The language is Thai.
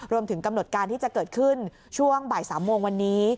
รวมถึงกำหนดการที่จะเกิดขึ้นช่วงบ่าย๓โมงวันนี้